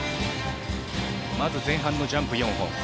まず前半のジャンプ４本。